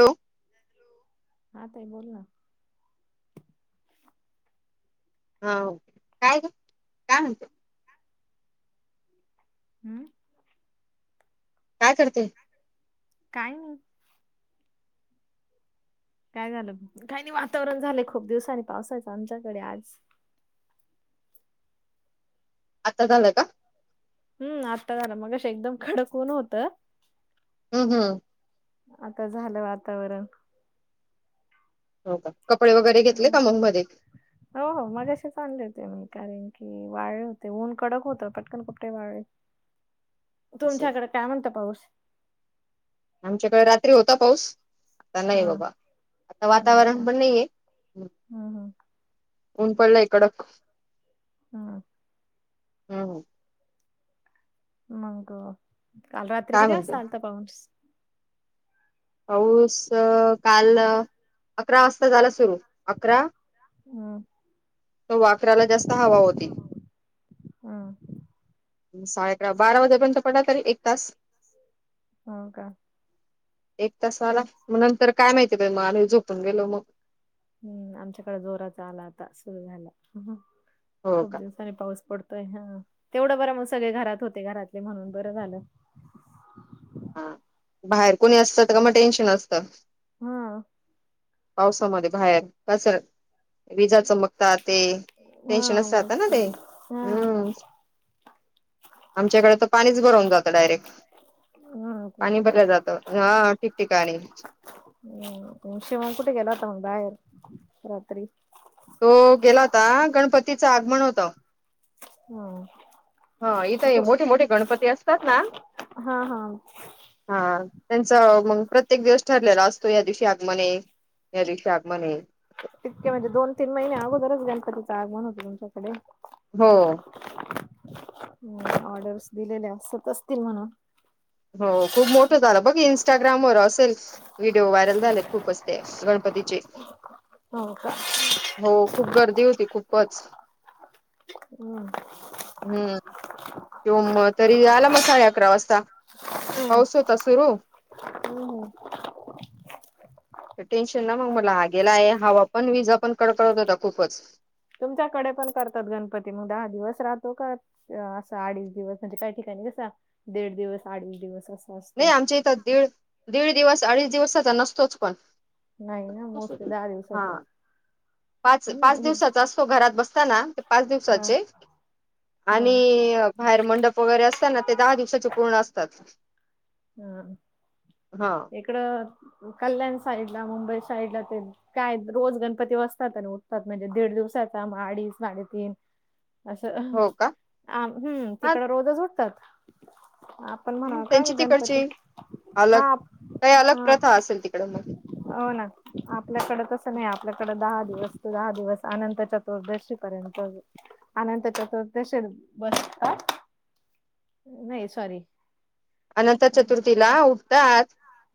Hello हा ताई बोल ना हाेवं काय ग काय म्हणते हम्म काय करते. काय नाही. काय झालं काय नाय वातावरण झालं खूप दिवसांनी पावसाचं आमच्याकडे आज आत्ता झालंय का? हम्म आता झाल मगाशी एकदम कडक ऊन होतं. हूं हूं आता झालं वातावरण हो का कपडे वगैरे घेतले का हम्म. मग मध्ये. हो हो मझ्याशी चांगले होते मी कारण की वाळे होते ऊन कडक होत पटकन कपडेे वाळे. असेल तुमच्याकड काय म्हणता पाऊस? आमच्याकडे रात्री होता पाऊस. आता हा नाही बाबा, आता नाही का वातावरण पण नाहीय. हम्म हम्म ऊन पडलय कडक. हा. हम. मग, काल रात्री काय किती म्हणते वाजता आलत पाऊस. पाऊस काल, अकरा वाजता झाला सुरु अकरा हम्म त वाकराला जास्त हवा होती. हा. साडे अकरा बारा वाजेपर्यंत पडला तरी एक तास. ह का. एक तास आला, तेव्हा म नंतर काय माहितीय ब आम्ही झोपून गेलो मग. हम्म आमच्याकडे जोराचा आला आता सुरू झाला, हो खूप का दिवस पाऊस पडतोय हा तेवढं बर मग सगळे घरात होते घरातले म्हणून बरं झालं. हा, बाहेर कोणी असत तर का मग टेंशन असतं. हा. पावसामध्ये बाहेर कसर विजा चमकत ते, हा टेन्शनच मग राहात ना ते, हा हम्म. आमच्याकडे तर पाणीच भरवून जातं डायरेक्ट. हा पाणी तुमच्याकडे भरलं जातं हा ठिकठिकाणी. [unintelligible] बाहेर रात्री. तो गेला होता गणपतीचं आगमन होत. हा. हा इथ तो मोठे मोठे गणपती असतात ना. हा हा हा, त्यांच मग प्रत्येक दिवस ठरलेल असतो या दिवशी आगमनये. या दिवशी आगमनये. इतके म्हणजे दोन तीन महिने अगोदरच गणपतीचं आगमन होत तुमच्याकडे. हो. हम ऑर्डर्स दिलेले असत असतील म्हणून. हो खूप मोठं झालं बघ इंस्टाग्रामवर असेल. व्हिडिओ व्हायरल झालेत खूपचते गणपतीचे. हो का हो खूप गर्दी होती खूपच. हम्. हम्म, त्यो म तरी आला म सडेअकरा वाजता. पाऊस होता सुरू. हम्. टेन्शन ना मग मला हा गेला आहे हवा पण वीज पण कडकळवत होता खूपच तुमच्याकडे पण करतात गणपती मग दहा दिवस राहतो का? असं अडीच दिवस म्हणजे काही ठिकाणी कसा, दीड दिवस अडीच दिवस अस. नाही आमच्या इथं दीड दीड दिवस, अडीच दिवस नसतोच पण. नाही ना मोस्टली दहा हा दिवसाचच. पाच पाच दिवसाचा असतो घरात बसताना ते पाच हा दिवसाचे. हा आणि बाहेर मंडप वगैरे असत ना ते दहा दिवसाचे पूर्ण असतात. हम्म हा इकडं कल्याण साईड ला मुंबई साईड ला ते काय रोज गणपती बसतात आणि उठतात म्हणजे दीड दिवसाचा मग अडीच साडेतीन असं, हो का आ हम् हा तिकड रोजच होतात. आप पण म्हणा काय त्यांची तिकडची गणपती, अलग हा, काही अलग हा. प्रथा असेल तिकडे मग हो ना. आपल्याकडे तसं नाही आपल्याकडें दहा दिवस, दहा दिवस अनंत चतुर्दशी पर्यंत. अनंत चतुर्दशी बस काय? नाही सॉरी अनंत चतुर्थीला उठतात.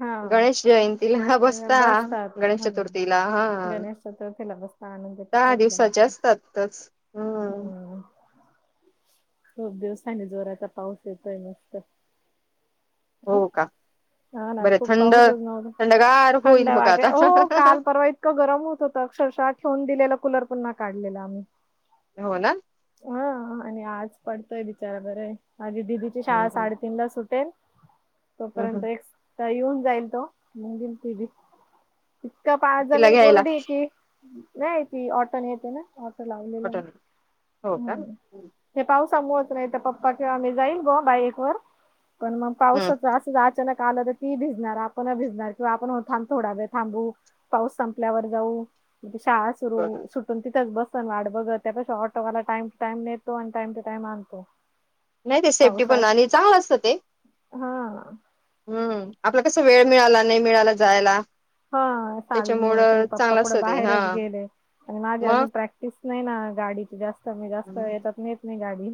हा गणेश जयंतीला हा बसता बसतात गणेश हा चतुर्थीला हा. गणेश चतुर्थीला बसता अनंत दहा चतुर्थीला दिवसाचे बसता असतातच हम्म खूप दिवसानी जोराचा पाऊस येतोय मस्त हो का? हा ना बरं खूप थंड पाऊसच नव्हत थंडगार थंड होईल मग वाटे आता हो काल परवा इतकं गरम होत होतं अक्षरशः ठेवून दिलेलं कुलर पुन्हा काढलेला आम्ही हो ना. हा आणि आज पडतोय बिचारा बरंय माझी दिदीची हम्म, शाळा साडेतीन ला सुटेल. हम्म, हम्म. तोपर्यंत एक येऊन जाईल तो मग येईल दिदी इतका पाय तिला जमीन घ्यायला कोरडी आहे ती नाही ती वाटन येताना. वाट लावलेलं ऑटोन हो का हम्म हे पावसामुळंच नाही तर पप्पा किंवा मी जाईल गं बाईक वर पण मग हम्म पावसाच असं जात. आला तर ती भिजणार आपण भिजणार किंवा आपण थोडा वेळ थांबू. पाऊस संपल्यावर जाऊ म्हणजे शाळा सुरू बर सुट पण तिथच बसल वाट बघत त्यापेक्षा ऑटोवाला टाइम टू टाइम नेतो आणि टाइम टू टाइम आणतो. नाही ते सेफ्टी पावसात पण आणि चांगलं असतं ते हा. हम्म आपला कस वेळ मिळाला नाही मिळाला जायला. हा साली त्याच्यामुळ मुळ कधी पप्पा चांगलं असत कुठं ते हा बाहेरच गेले आणि माझे मग अजून प्रॅक्ट स नाही ना गाडीची जास्त मी जास्त येच्यात नेहत नाहीे ना गाडी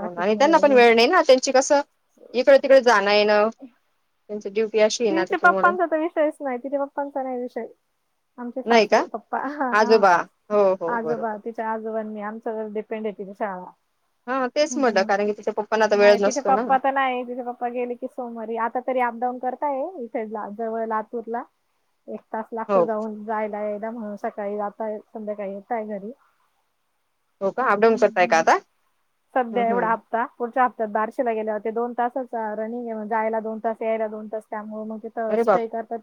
हो आणि मध्ये त्यांना पण अजून वेळ नाही ना त्यांची कसं इकड तिकडे जाणं येण त्यांची ड्युटी अशी आहे ना तिच्या त्याच्यामुळे पप्पांचा तर विषयच नाही तिच्या पप्पांचा नाही विषय आमचे नाही सासरे का? पप्पा आजोबा हो हो आजोबा बरोबर. तिचे त्या आजोबांनी आमच्यावर डिपेन्ड आहे तिची शाळा हा तेच म्हटलं हम कारण की तिच्या पप्पांना आता वेळ नाही तिचे नसतो ना. पप्पा तर नाहीत तिचे पप्पा गेली सोमवारी आता तरी अपडाऊन करता आहेत साईड ला जवळ लातूर ला एक तास लागतो हो जाऊन जायला यायला म्हणून सकाळी जातय संध्याकाळी येतय घरी हो का अपडाऊन करताय का आता हम्म सध्या एवढा हम्म हप्ता पुढच्या बारश्याला गेल्या होते दोन तासांच्या रनिंग जायला दोन तास यायला दोन तास त्यामुळे मग तिथं अरे बाप स्टई करतात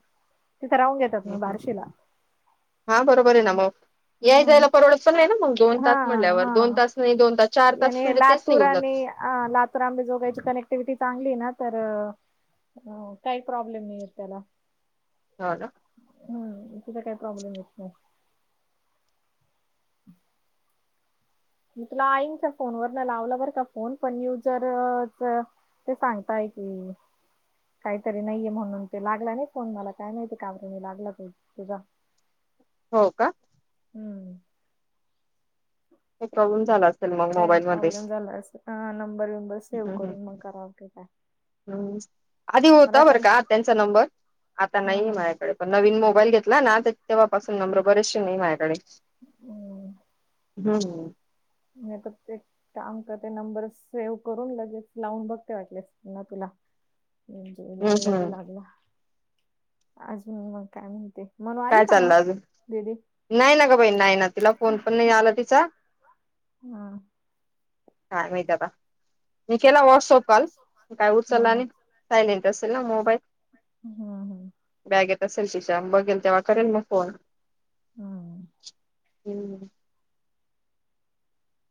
तिथं राहून घेतात मग बार्शीला हा बरोबर आहे ना मग या हं. जायला परवड पण नाही ना मग दोन हा तास म्हल्यावर हा दोन तास नाही दोन तास चार तास म्हणजे तेच निघून जात. अ लातूर आंबे जोगायची कनेक्टिव्हटी चांगली ना तर हम्म काही प्रॉब्लेम नाही येत त्याला हो ना हम इथ तर काय प्रॉब्लेम येत नाही [inaudible] मी तुला आईनच्या फोनवर न लावला बरं का फोन पण यूजर ते सांगताय की काहीतरी नाहीये म्हणून ते लागला नाही फोन मला काय माती काबर म लागला तू तुझा. [inaudible] हो का हम्म काय प्रॉब्लेम झाला असेल मग काही मोबाईल मध्ये प्रॉब्लेम झाला असेल हा नंबर विंबर सेव्ह करून मग कराव की काय हम्म आधी मला होता बरं वाटलं का त्यांचा नंबर आता हा नाहीये हा माझ्याकडे पण नवीन मोबाईल घेतला ना तेव्हापासून नंबर बरेचसे माझ्याकडे म त ते एक त्या अंक ते नंबर सेव्ह करून लगेच लावून बघते वाटलेसना तुला म्हणजे हं लागला ते हं लागला अजून मग काय म्हणते? म्हणू आली काय का मग चाललं दीदी नाही न का बाई नाही ना तिला फोन पण नाही आला तिचा. हम काय माहित आता मी केला वॉट्सअप कॉल काय उचलला हा आणि सयलेंट असलं ना मोबाईल. हम् हम् बॅगेत असेल तिच्या बघेल तेव्हा करेल मग फोन. हम हम्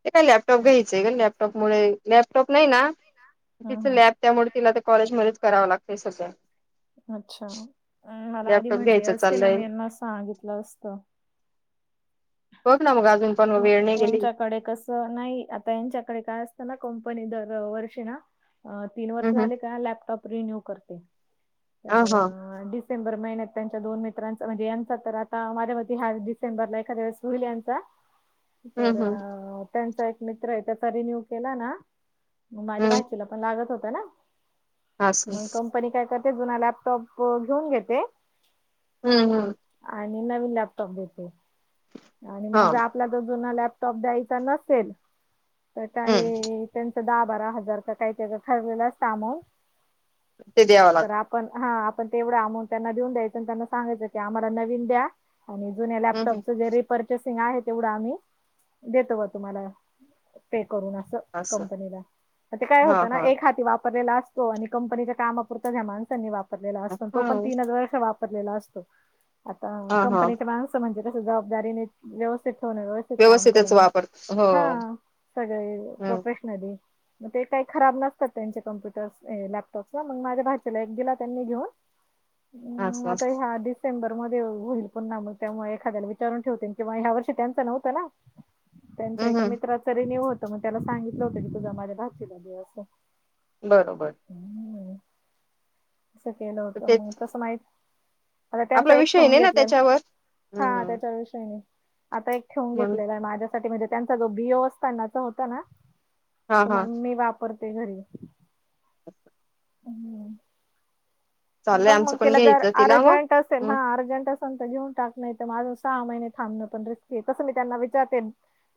ते काय लॅपटॉप घ्यायचण लॅपटॉप मुळे लॅपटॉप नाही ना तिथ हम्म हम्म लॅप त्यामुळे तिला ते कॉलेज मध्येच करावं लागत सगळ. अच्छा मला आधी म्हटले घ्यायचं असते ना चाललंय मी यांना सांगितलं असतं. बघ ना मग अजून पण वेळ नाही गेली यांच्याकडे कस नाही आता यांच्याकडे काय असतना कंपनी दर वर्षी ना तीन वर्ष हम्म हम्म झाले का लॅपटॉप रिन्यू करते तर अ हा डिस डिसेंबर महिन्यात त्यांच्या दोन मित्रांचा म्हणजे यांचा तर आता माझ्या मते ह्या डिसेबरला एखाद्या वेळेस होईल यांचा. तर हम्म हम्म त्यांचा एक मित्र आहे त्याचा रिन्यू केला ना. मग माझ्या हम्म भाचीला पण लागत होत ना असं मग कंपनी काय करते जुना लॅपटॉप घेऊन घेते. हम्म हम् आणि नवीन लॅपटॉप देते. आणि हा मग जर आपल्या तर जुना लॅपटॉप द्यायचा नसेल तर काय हम्म त्यांच दहा बारा हजार का काहीतरी ठरलेलं असत अकाउंट. ते द्यावं लाग आपण हा आपण तेवढं अमाउंट त्यांना देऊन द्यायच त्यांना सांगायचं की आम्हाला नवीन द्या. आणि जुून्या हम्म हम्म जे रि परचेसिंग आहे तेवढं आम्ही देतो व तुम्हाला पे करून अस असं कंपनीला म ते काय हा होत ना हा एक हाती वाप वापरलेला असतो आणि कंपनीच्या काम अपुरता ह्या माणसानी वापरलेला असतो तो पण हा तीनच वर्ष वापरलेला असतो आणि हा कंपनीचे माणस म्हणजे जबाबदारीने व्यवस्थित ठेवणं व्यवस्थित काम व्यवस्थितच करणं वापर हो हा सगळे हम्म प्रोफेशनली मग ते काही खराब नसतात त्यांचे कम्प्युटर्स लॅपटॉपस ना मग माझ्या भाच्याला एक दिला त्यांनी घेऊन अम् असं आता ह्या डिसेंबर मध्ये होईल पण ना मग त्यामुळे एखाद्याला विचारून ठेवते किंवा ह्या वर्षी त्यांच नव्हतं ना त्यांच हम्म एका हम्म मित्र तरी नेव होत मग त्याला सांगितलं होतं की तुझा माझ्या भाचीला दे असं बर बर तंस केलं होतं मग तेच तसं माहित आता त्यांचा आपला एक विषय ठेवून नाही ना घेतलेला त्याच्यावर हा हम्म त्याच्याविषयीने आता एक ठेऊन म्हणून घेतलेला आहे माझ्यासाठी म्हणजे त्यांचा जो बिओ असतानाचा होता ना हा तर हा मग मी वापरते घरी. [inaudible] हम्म चाललंय बघ मग आमचं पण तिला जर घ्यायचं तिला मग अर्जंट असेल हम्म हा अर्जंट असेल ंत घेऊन टाक नाही आजून सहा महिने थांबणं पण रिस्की आहे तस मी त्यांना विचारते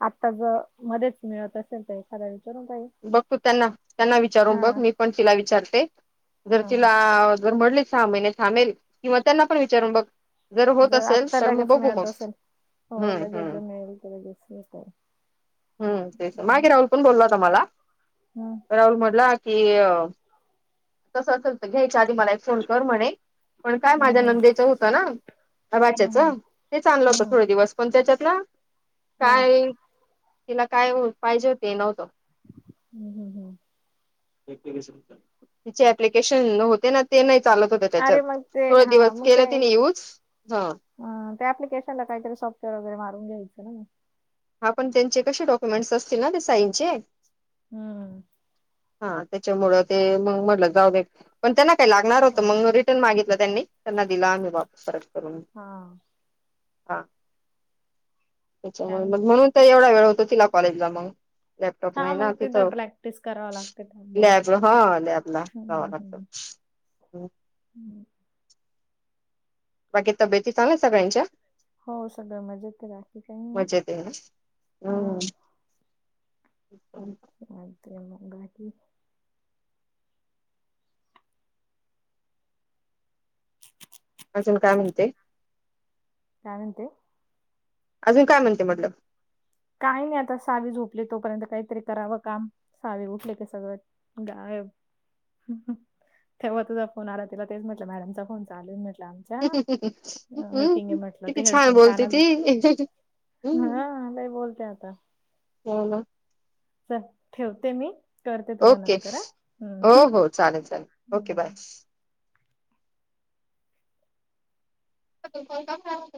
आत्ता जर मध्येच मिळत असेल तर एखादा विचारून पहिल बघ तू त्यांना त्यांना विचारून बघ मी पण तिला विचारते जर तिला हा जर म्हटले सहा महिने थांबेल किंवा त्यांना पण विचारून बघ. जर होत असेल आत्ता तर मग लगेच बघू मिळत मग असेल हो हम्म हम्म. [unintelligible] हम्म तेच मागे राहुल पण बोलला होता मला. हम्म. राहुल म्हटला की तसं असेल तर घ्यायच्या आधी मला एक फोन कर म्हणे. पण काय माझ्या हम्म, नंदेचं होतं ना वाच्याच हम्म, हम्म, तेच आणलं होतं हम्म, थोडे दिवस. पण त्याच्यात ना हा, काय तिला काय पाहिजे ते नव्हतं. हम्म हम्म हम्म. तिचे प्लिकेशन होते ना. ते नाही चालत होत त्याच्यात अरे मग ते थोड दिवस केले तीन यूज ह. अ त्या अँप्लिकेशनला काहीतरी सॉफ्टवेअर वगैरे मारून घ्यायचं ना मग. हा पण त्यांचे कसे डॉक्युमेंटस असतील ना ते साईन चे. हम्म हा त्याच्यामुळं ते मग म्हटलं जाऊ दे पण त्यांना काय लागणार होतं ओके मग रिटर्न मागितलं त्यांनी. त्यांना दिल आम्ही वापस परत करून. हा. हा काय त्यामुळे मग म्हणते म्हणून तर एवढा वेळ होतो तिला कॉलेजला मग लॅपटॉप हा नाही मग ना तिथं. प्रॅक्टिस करा लॅब हा लॅब ला हम्म, जावं लागतं. हम्म, हम्म बाकी तब्येेती चांगल्या सगळ्यांच्या? हो सगळं मजेते बाकी काही मजेत आहे ना हा. हम्म [inaudible] चालतंय म बाकी. [inaudible] अजून काय म्हणते? काय म्हणते? अजून काय म्हणते म्हटल? काही नाही आता सावी झोपली तोपर्यंत काहीतरी करावं काम सावी उठली कि सगळं गायब. तेव्हा तुझा फोन आला तिला तेच म्हटलं मॅडमचा फोन चालू म्हंटल. च्या मीटिंगे हम्म म्हटलं ते किती छान हेडफोन बोलते कानात ती हम्म. हा लई बोलते आता. हो ना. चल ठेवते मी करते तुला ओके नंतर हा हो हो चालेल चालेल ओके बाय हम्म. [unintelligible]